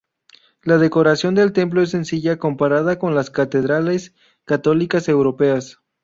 La decoración del templo es sencilla comparada con las catedrales católicas europeas.